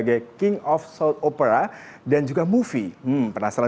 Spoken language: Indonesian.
gini bila bisa apa yang akan bisa temukan khususnya tentara ini